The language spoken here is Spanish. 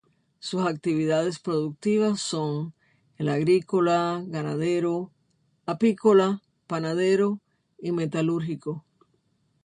Sus actividades productivas son: el agrícola, ganadero, apícola, panadero y metalúrgico.